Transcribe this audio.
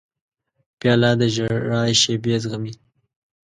پیاله د ژړا شېبې زغمي.